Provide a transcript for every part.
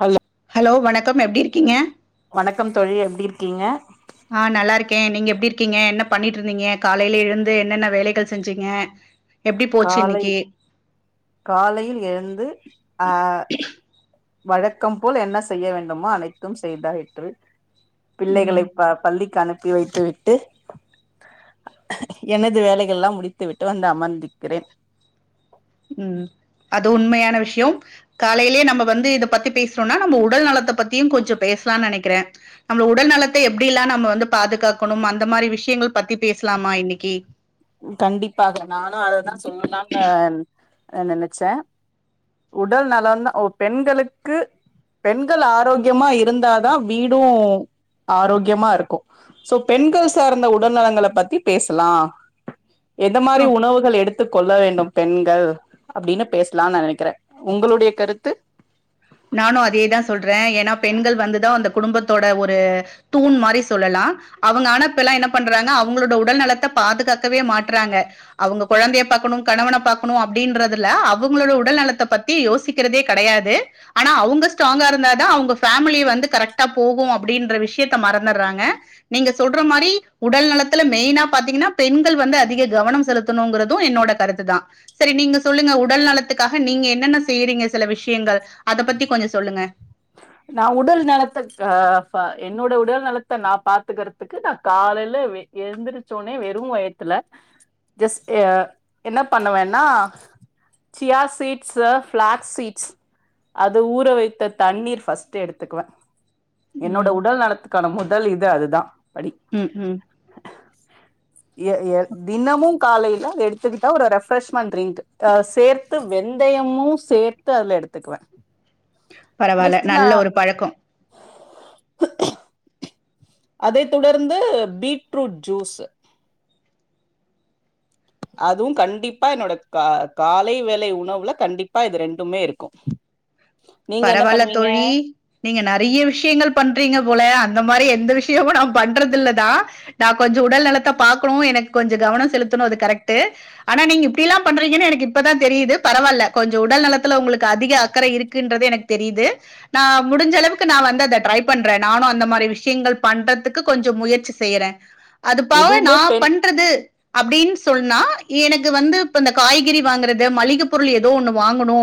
Hello hello வணக்கம் எப்டி இருக்கீங்க வணக்கம் தோழி எப்டி இருக்கீங்க கே நீங்க எப்டி இருக்கீங்க என்ன பண்ணிட்ருந்தீங்க காலைல எழுந்து என்னென்ன வேலைகள் செஞ்சீங்க எப்படி போச்சு காலை இன்னைக்கு? காலையில் எழுந்து அ வழக்கம் போல் என்ன செய்ய வேண்டுமோ அனைத்தும் செய்தாயிற்று ம், பிள்ளைகளை ப பள்ளிக்கு அனுப் பி வைத்து விட்டு எனது வேலைகள்ல்லா முடித்து விட்டு வந்து அமர்ந்து கிரேன் ம் அது உண்மையான விஷயோம் காலைலயே நம்ம வந்து இத பத்தி பேசுறோன்னா நம்ம உடல் நலத்த பத்தியு கொஞ்சம் பே சலா நெனைக்கிறே நம்மள உடல்நலத்தை எப்டிெல்லா நம்ம வந்து பாதுகாக்கணும் அந்த மாரி விஷயங்கள் பத்தி பேசலா ஆமா இன்னிக்கி கண்டிப்பாக நானு அததா சொல்லலாம்னு அ நெனச்ச உடல் நலந்தா ஒ பெண்களுக்கு பெண்கள் ஆரோக்கியமா இருந்தாதா வீடு ஆரோக்கியமாருக்கு சோ பெண்கள் சார்ந்த உடல்நலங்கள பத்தி பேசலா எந்த மாரி உணவுகள் எடுத் து கொல்ல வேண்டும் பெண்கள் அப்டின்னு பேசலான் நா நெனைக்கற உங்களுடைய கருத்து நானு அதே தா சொல்ற ஏன்னா பெண்கள் வந்துதா அந்த குடும்பத்தோட ஒரு தூண் மாரி சொல்லலா அ அவங்க ஆனா இப்பல்லா என்ன பண்றாங்க அவுங்களோட உடல்நலத்த பாதுகாக்கவே மாட்றாங்க அவுங்க கொழந்தைய பாக்கணு கணவன பாக்கணு அப்டின்றதுல அவங்களோட உடல் நலத்த பத்தி யோசிக்கிறதே கெடையாது ஆனா அவுங்க ஸ்ட்ராங்காருந்தா தா அவுங்க ஃபேமிலிய வந்து கரெக்ட்டா போகு அப்டின்ற விஷயத்த மறந்தற்றாங்க நீங்க சொல்ற மாரி உடல் நலத்துல மெயினா பாத்தீங்கன்னா பெண்கள் வந்து அதிக கவனம் செலுத்தணுங்குறது என் னோட கருத்து தா செரி நீங்க சொல்லுங்க உடல் நலத்துக்காக நீங்க என்னென்ன செய்றீங்க செல விஷயங்கள் அத பத்தி கொஞ்சோ சொல்லுங்க நா உடல் நலத்தக்காக என்னோட உடல் நலத்த நா பாத்துக்கறதுக்கு நா காலைல ல எழுந்திச்சோனே வெரு வயத்துல ஜஸ்க் அ என்ன பண்ணுவன்னா சியா சீட்ஸ்ஸு ஃபிளாக்ஸ் சீட்ஸ் அது ஊற வைத்த தண்ணீர் ஃபஸ்ட்டு எடுத்துக்குவ என்னோட ம் உடல் நலத்துக்கான முதல் இது அதுதா படி ம் ம் எ எ தினமும் காலைல எடுத்துக்கிட்டா ஒரு ரெஃப்ரெஷ்மெண்ட் ரிங்க் சேர்த்து வெ ந்தயமு சேர்த்து அதுல எடுத்துக்குவ பரவால்ல நல்ல ஒரு பழக்கோ அதைத் தொடர்ந்து பீட்ரூட் ஜூஸ் அதுவும் கண்டிப்பா என்னோட க காலை வேலை உணவுல கண்டிப்பா இது ரெண்டுமே இருக்கு நீங்க என்ன பரவால்ல பண்ணுவீங்க தோழி நீங்க நெறைய விஷயங்கள் பண்றீங்க போல அந் த மாரி எந்த விஷயமு நா பண்றதில்ல தா நா கொஞ்சோ உடல் நலத்த பாக்கனு எனக்கு கொஞ்சோ‌ கவனோ செலுத் கனோ அது கரெக்ட்டு ஆனா நீங்க இப்டில்லா பண்றீங்கன்ன எனக்கு இப்பதா தெரியிது பரவால்ல கொஞ்சோ உடல்நலத்துல உங்களுக்கு அத் அதிக அக்கற இருக் குன்றது எனக்கு தெரியிது நா முடிஞ்ச அளவுக்கு நா வந்து அத ட்ரை பண்ற நானு அந்த மாரி விஷயங்கள் பண்ற றத்துக்கு கொஞ்சோ முயற்சி செய்ற அது பாவ எதுவுமே நா பெண் பண்றது அப்டின் சொன்னா எனக்கு வந்து இப்ப இந்த காய்கறி வாங்கறத மளிக பொருள் ஏதோ ஒண்ணு வாங்கணு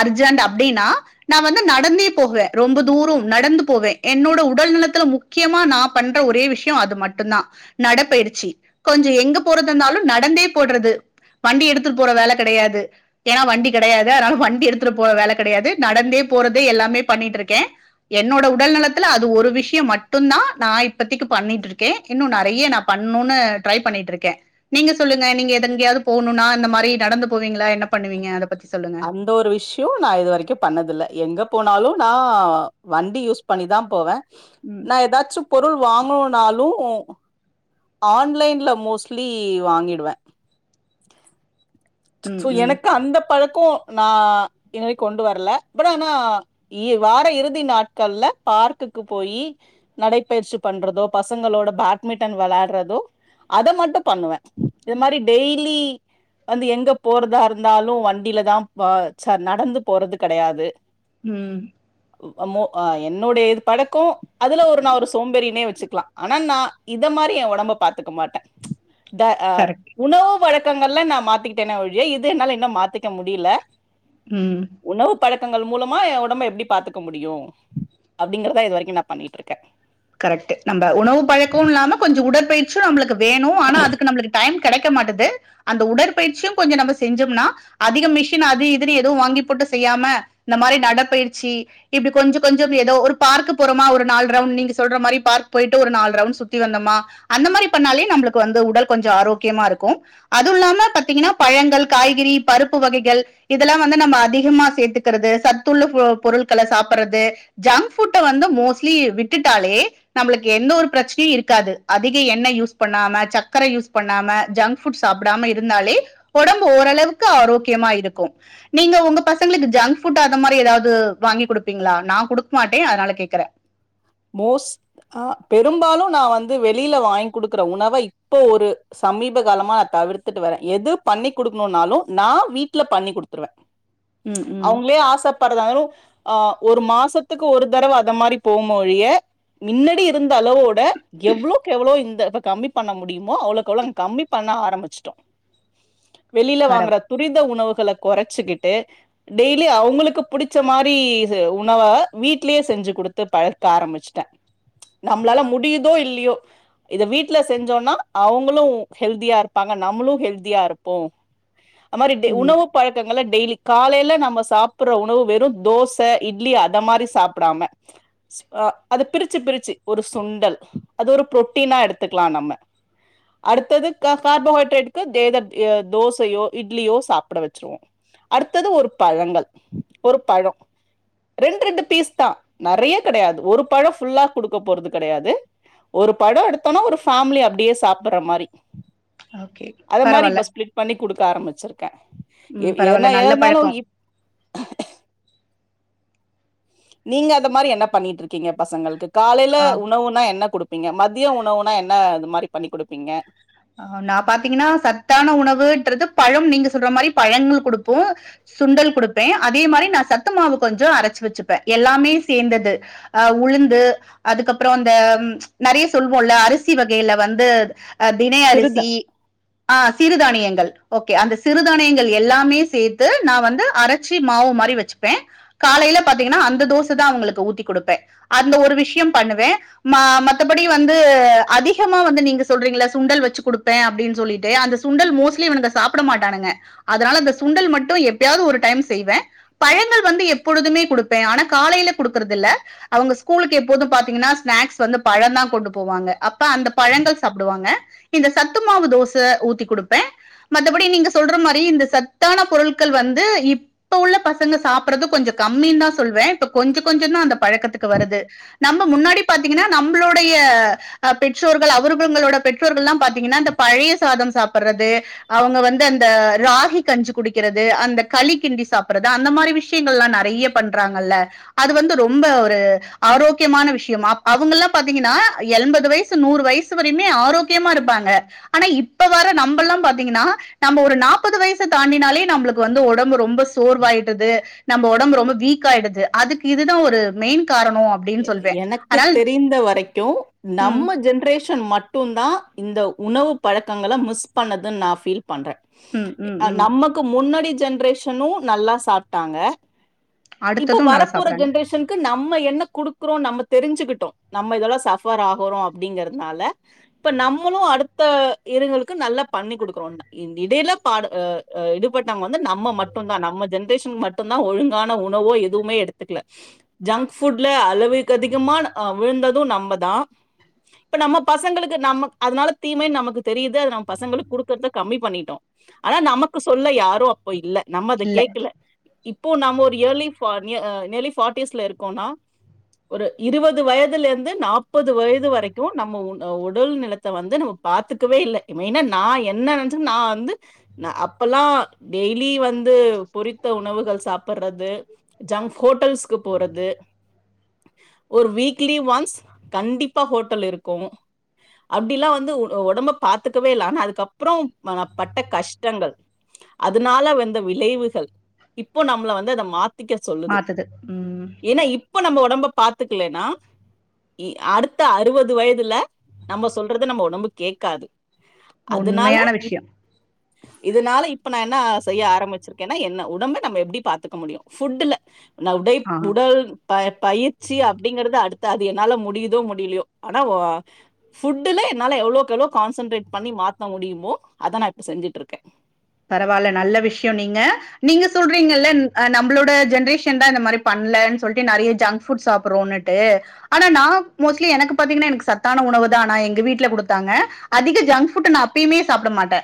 அர்ஜென்ட் அப்டின்னா நான் வந்து நடந்தே போவ ரொம்ப தூரோ நடந்து போவே என்னோட உடல் நலத்துல முக்கியமா நா பண் என்ட ஒரே விஷயம் அது மட்டுந்தா நடப்பயிற்சி கொஞ்ச எங்க போறது இருந்தாலு நடந்தே போடுறது வண்டி எடுத்துட்டு போற வேல கெடயாது ஏனா வண்டி கெடயாது அதனால வண்டி எடுத்துட்டு போற வேல கிடையாது நடந்தே போறது எல்லாமே பண்ணிட்ருக்கே என்னோட உடல் நலத்துல அது ஒரு விஷய மட்டுந்தா நா இப்பத்திக்கு பண்ணிட்ருக்கே இன்னு நெறய நா பண் பண்னுணு ட்ரை பண்ணிட்ருக்கே நீங்க சொல்லுங்க நீங்க எதங் எங்கயாவது போணுனா இந்த மாரி நடந்து போவீங்களா என்ன பண் பண்ணுவீங்க அத பத்தி சொல்லுங்க அந்த ஒரு விஷய நா இது வரைக்கு பண்ணதில்ல எங்க போனாலு நா வண்டி யூஸ் பண்ணிதா போவே ம் நா ஏதாச்சு பொருள் வாங்குனாலு ஆன்லைன்ல மோஸ்லி வாங்கிடுவே ம் சோ ம் எனக்கு அந்த பழ கோ நா [unintelligible] கொண்டு வரல பட் ஆனா இ வார இறுதி நாட்கள்ல ப பார்க்குக்கு போய் நடைப்பயிற்சி பண்றதோ பசங்களோட பேட்மிட்டன் விளயாடுறதோ அத மட்டு பண்ணுவே இது மாரி டெய்லி வந்து எங்க போறதா இருந்தாலு வண்டில தா பா ச நடந்து போறது கிடையாது ம் அ மோ அ என்னுடைய இது பழக்கோ அதுல ஒரு நா ஒரு சோம்பேறினே வ வசுக்லா ஆனா நா இதமாரி என் உடம்ப பாத்துக்க மாட்டே த அ கரெக்ட் உணவு வழக் கங்கள்ல நா மாத்திக்கிட்டேனே ஒலிய இது என்னால இன்னு மாத்திக்க முடில ம் உணவு பழக்க க்கங்கள் மூலமா எ உடம்ப எப்டி பாத்துக்க முடியு அப்டிங்கறத இது வரக்கு நா பண்ணிட்ருக்கே கரெக்டு நம்ப உணவு பழக்க இல்லாம கொஞ்ச உடற்பயிற்சு நம்மளுக்கு வேணு ஆனா அதுக்கு நம்ளுக்கு டைம் கிடக்க மாட்டது அந்த உடற்பயிற்சியு கொஞ்ச நம்ப செஞ்சோம்னா அதிக மிஷின் அது இது எதுவு வாங்கி போட்டு செய்யாம இந்த மாரி நடப்பயிற்சி இப்டி கொஞ்ச கொஞ்ச ஏதோ ஒரு பார்க்கு போறமா ஒரு நாலு ரவுண்ட் நீங்க ஸ் சொல்ற மாரி பார்க் போயிட்டு ஒரு நாலு ரவுண்ட் சுத்தி வந்தமா அந்த மாரி பண்ணாலே நம்ளுக்கு வந்து உடல் கொஞ்ச ஆரோக்கியமா இருக் கு அது இல்லாம பத்தீங்கனா பழங்கள் காய்கறி பருப்பு வகைகள் இதெல்லா வந்து நம்ம அதிகமா சேத்துக்கிறது சத்துள்ள பொ பொருட்கள சாப்றது ஜங்க் புட்ட வந்து மோஸ்ட்லி விட்டு டாலே நம்ளுக்கு எந்த ஒரு பிரச்னயு இருக்காது அதிக எண்ணெ யூஸ் பண்ணாம சக்கர யூஸ் பண்ணாம ஜங்க் புஃட் சாப்டாம இருந்தாலே உடம்பு ஓரளவுக்கு ஆரோக்கியமா இருக்கு நீங்க உங்க பசங் ளுக்கு ஜங்க்புட் அந்த மாதிரி ஏதாவது வாங்கி குடுப்பீங்ளா நான் குடுக் மாட்டே அதனால கேக்குறே மோஸ்ட் ஆ பெரும்பாலு நா வந்து வெளில வாங்கி கொடுக்குற உணவை இப்போ ஒரு சமீப காலமா தவிர்த்துட்டு வரே எது பண்ணி கொடுக்கணுனாலு நா வீட்ல பண்ணி் குடுத்துருவே ம், ம். அவுங்ளே ஆசப்படுறதாலு ஆஹ் ஒரு மாசத்துக்கு ஒரு தடவ அந்த மாரி போமொழிய மின்னடி இருந்த அளவோட எவ்வளோக் எவ்ளோ இந்த ப்ப கம்மி பண்ண முடியுமோ அவ்ளோக்கவ்ளோங் கம்மி பண்ண ஆரம்பிச்ட்டோ வெளில பரவா வாங்ற துரித உணவு கள குறச்சுகிட்டு டெய்லி அவுங்ளுக்கு புடிச்ச மாரி ச உணவ வீட்லியே செஞ்சு குடுத் த்து பழக்க ஆரம்பிச்சுட்ட நமளால முடியுதோ இல்லியோ இத வீட்ல செஞ்சோனா அவுங்களு ஹெல்தியாருப்பாங்க நம்மளு ஹெல்தியாருப்போ அ மாரி டெ உணவு உண்மதான். பழக்கங்கள்ல டெய்லி காலைல நம்ம சாப்புற உணவு வெறு தோச இட்லி அத மாரி சாப்டாம ஆஹ் அது பிரிச்சு பிரிச்சு ஒரு சுண்டல் அது ஒரு பு்ரோட்டீனா எடுத்துக்லா நம்ம அடுத்தது க கார்போஹைட்ரேட்க்கு தேத அஹ் தோசையோ இட்லியோ சாப்ட வச்ருவோ அடுத்தது ஒரு பழங்கள் ஒரு பழ ரெண்டு ரெண்டு பீஸ்தா நெறய கெடையாது ஒரு பழ ஃபுல்லா குடுக்க போறது கெடையாது ஒரு பட எடுத்தோனா ஒரு ஃபேமிலி அப்டியே சாப்ற மாரி ஓகே. அது மாரி பரவால்ல. இப்ப ஸ்பிளிட் பண்ணி குடுக்க ஆரம்பிச்சிர க்க எ ம் பரவால்ல. என்ன நல்ல எதனாலு பழக்கம். இப் நீங்க அந்த மாரி என்ன பண்ணிட்ருக்கீங்க பசங்கள்க்கு காலைல ஆ. உணவுனா என்ன குடுப் ப்பிங்க மதிய உணவுனா என்ன இது மாரி பண்ணி குடுப்பிங்க ஹ நா பாத்தீங்கனா சத்தான உணவுன்றது பழ நீங்க சொல்ற மாரி பழங்கள் குடுப்போ சுண்டல் குடுப்பே அதே மாரி நா சத்து மாவு கொஞ்சோ அரச்சு வச்ச ப்ப எல்லாமே சேந்தது அ உளுந்து அதுக்கப்றோ அந்த ம் நறைய சொல்வோல்ல அரிசி வகைல வந்து அ சிறு தினையரிசி ஆ சிறுதானியங்கள் ஓகே அந்த சிறுதானியங்கள் எல்லாமே சேத்து நா வந்து அரச்சி மாவு மாரி வச்சுப் ப்ப காலைல பாத்தீங்கனா அந்த தோசதா அவுங்ளுக்கு ஊத்தி குடுப்பே அந்த ஒரு விஷ்யோ பண்ணுவே மா அ மத்தபடி வந்து அதிகமா வந்து நீங்க சொல்றீங்கள சுண்டல் வச்சு குடுப்பே அப்டின் சொல்லிட்டு அந்த சுண்டல் மோஸ்ட்லி இவனுங்க சாப்ட மாட்டானுங்க அதனால அந்த சுண்டல் மட்டு ப்ப எப்பயாவது ஒரு டைம் செய்வே பழங்கள் வந்து எப்பொழுதுமே குடுப்பே ஆனா காலைல குடுக்கறதில்ல அவுங்க ஸ்கூலுக்கு எப்போது பாத்தீங்கனா ஸ்நாக்ஸ் வந்து பழந்தா கொண்டு போவாங்க அப்ப அந்த பழங்கள் சாப்டுவாங்க இந்த சத்துமாவு தோச ஊத்தி குடுப்பே மத்தபடி நீங்க சொல்ற மாரி இந்த சத்தான பொருட்கள் வந்து இப்ப உள்ள பசங்க சாப்பட்றது கொஞ்சம் கம்மின்தா சொல்வே இப்ப கொஞ்ச கொஞ்சோந்தா அந்த பழக்கத்துக்கு வருது நம்ம முன்னாடி பாத்தீங்கனா நம்ளோடைய ய அ பெற்றோர்கள் அவர்கள்ங்களோட பெற் ற்றோர்கள்லா பாத்தீங்கனா இந்த பழைய சாதம் சாப்பட்றது அவங்க வந்து அந்த ராகி கஞ்சி குடிக்கறது அந்த களி கிண்டி சாப்பட்றது அந்த மாரி விஷ்யங்கள்லா நறைய பண்றாங்கல்ல அது வந்து ரொம்ப ஒரு து ஆரோக்கியமான விஷ்யமா அப் அவுங்கல்லாம் பாத்தீங்கனா எண்பது வயசு நூறு வயசு வரையுமே ஆரோக் கியமா இருப்பாங்க ஆனா இப்ப வர நம்பல்லா பாத்தீங்கனா நம்ப ஒரு நாப்பது வயசு தாண்டினாலே நம்ப ளுக்கு வந்து உடம்பு ரொம்ப சோர்வாயிடுது நம்ம உடம்பு ரொம்ப வீக்காயிடுது அதுக்கு இதுதா ஒரு மெயின் காரணம் அப்படின்னு சொல்வேன் எனக்கு அதனால தெரிந்த வரைக்கு ம் நம்ம ஜென்ரேஷன் மட்டு மட்டுந்தா இந்த உணவு பழக்கங்கள மிஸ் பண்ணதுன் நா பீல் பண்ற ம் ம் அ ம் நமக்கு முன்னாடி ஜென்ரேஷனு நல்லா சாப்ட்டாங்க இப்ப அடுத்ததும் நல்லா வரப்போற சாப்பிடுறாங்க ஜென்ரேஷன்க்கு நம்ம என்ன குடுக்குறோ நம்ம தெரிஞ்சுக்கிட்டோ நம்ம இதல சபர் ஆகறோ அப்டிங்கறதுனால இப்ப நம்மளு அடுத்த த்த இருங்களுக்கு நல்லா பண்ணி குடுக்றோ இடைல பாடு அ அ இடுபட்டவங்க வந்து நம்ம மட் ட்டுந்தா நம்ம ஜென்ரேஷன் மட்டுந்தா ஒழுங்கான உணவோ எதுவுமே எடுத்துக்ல ஜங்க் ஃபுட் ட்ல அளவுக்கதிகமான அ விழுந்தது நம்மதா இப்ப நம்ம பசங்களுக்கு நம்ம அதனால தீமைனு நமக்கு தெரிது அது நம்ம பசங்களுக் குடுக்றத கம்மி பண்ணிட்டோ ஆனா நமக்கு சொல்ல யாரோ அப்போ இல்ல நம்ம அத இல்ல கேக்கல இப்போ நம்ம ஒரு இயர்லி ஃபா நிய அ நியர்லி ஃபாட்டிஸ்ல இருக்கோனா [inaudible] ஒரு இருவது வயதுலேந்து நாப்பது வயது வரைக்கு நம்ம உ உடல் நிலத்த வந்து நம்ம பாத் த்துக்கவே இல்ல மெயினா நா என்ன நெனச்சி நா வந்து ந அப்பல்லா டெய்லி வந்து பொறித்த உணவுகள் சாப்பட்றது ஜங்க் ஹோட்டல்ஸ்கு போறது ஒரு வீக்லி ஒன்ஸ் கண்டிப்பா ஹோட்டல் இருக்கு. அப்டிலா வந்து உடம்ப பாத்துக்கவே இல்ல ஆனா அதுக்கப்புறோ நா பட்ட கஷ்டங்கள் அதனால வந்த விளைவுகள் இப்போ நம்மள வந்து அத மாத் திக்க சொல்லுது மாத்துது ம் ஏன்னா இப்ப நம்ம உடம்ப பாத்துக்கலன்னா அடுத்த அறுவது வயதுல நம்ம சொல்றத நம்ம உடம்பு கேக்காது உண்மையான விஷயோ இதனால இப்ப நா என்ன செய்ய ஆரம்பிச்சிருக்கேன்னா என்ன உடம்ப நம்ம எப்டி பாத்துக்க முடியு ஃபுட்ல ந உடைப் ஆ உடல் ந பயிற்சி அப்டிங்கறது அடுத்த அது என்னால முடியிதோ முடியலையோ ஆனா ஒ ஃபுட்டுல என்ன னால எவ்ளோக்கு எவ்ளோ கான்சன்ட்ரேட் பண்ணி மாத்த முடியுமோ அத நா இப்ப செஞ்சிட்டு இருக்கே பரவால்ல நல்ல விஷயோ நீங்க நீங்க சொல்றீங்கல்ல நம்மளோட ஜென்ரேஷன் தா இந்த மாரி பண் ல சொல்டு நறைய ஜங்க் ஃபுட் சாப்புட்றோன்னுட்டு ஆனா நா மோஸ்ட்லி எனக்கு பாத்தீங்கன்னா எனக்கு சத்தான உணவு தா நா எங்க வீட்ல குடுத்தாங்க அதிக ஜங்க் ஃபுட் நா அப்பயுமே சாப்ட மாட்டே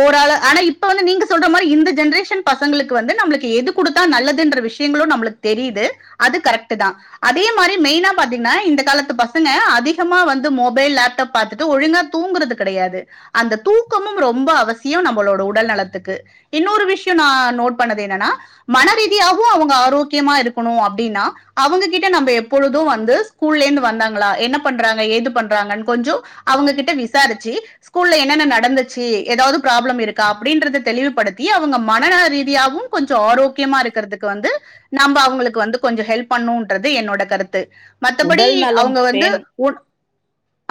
ஓராள ஆனா இப்ப இப்ப வந்து நீங்க சொல்ற மாரி இந்த ஜென்ரேஷன் பசங்களுக்கு வந்து நம்மளுக்கு எது குடுத்தா நல்லதுன்ற விஷயங்களு நம்மளுக்கு தெரியுது து அது கரெக்ட் தா அதே மாரி மெயினா பாத்தீங்கன்னா இந்த காலத்து பசங்க அதிகமா வந்து மொபைல் லேப்டாப் பாத்துட்டு ஒழுங்கா தூங்கறது கெடையாது அந்த தூக்கமும் ரொம்ப அவசியோ நம்மளோட உட உடல் நலத்துக்கு இன்னொரு விஷயோ நா நோட் பண்ணது என்னன்னா மனரீதியாவு அவுங்க ஆரோக்கியமா இருக் ணும் அப்படின்னா அவங்ககிட்ட நம்ப எப்பொழுது வந்து ஸ்கூல்லே இருந்து வந்தாங்களா என்ன பண்றாங்க ஏது பண்றா றாங்கன் கொஞ்சோ அவங்ககிட்ட விசாரிச்சு ஸ்கூல்ல என்னென்ன நடந்துச்சு ஏதாவது ப்ராப்ளம் இருக் கா அப்படின்றத தெளிவுபடுத்தி அவங்க மனநல ரீதியாவு கொஞ்சோ ஆரோக்கியமா இருக்கிறதுக்கு வந்து நம் ப அவங்களுக்கு வந்து கொஞ்ச ஹெல்ப் பண்ணுன்றது என்னோட கருத்து மத்தபடி உடல் நலம் அவங்க வந்து பேண் உன்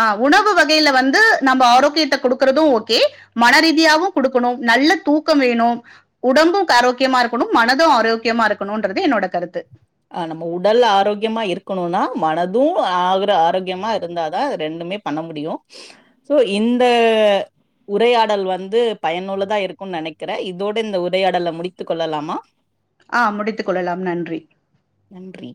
ஆ உணவு வகைல வந்து நம்ப ஆரோக்கியத்த குடுக்குறது ஓகே மனரீதியாவு குடுக்கணு நல்ல தூக்கம் வேணு உடம்பு ஆரோக்கியமா இருக்கணு மனது ஆரோக்கியமா இருக்கணுன்றது என்ன னோட கருத்து ஆ நம்ம உடல் ஆரோக்கியமா இருக்கணுனா மனது ஆகுற ஆரோக்கியமா இருந்தாதா ரெண்டு மே பண்ண முடியு சோ இந்த உரையாடல் வந்து பயனுள்ளதா இருக்கு நெனைக்கிறே இதோட இந்த உரையாடல முடித்து கொள்ளலாமா ஆ முடித்து கொள்ளலாம் நன் நன்றி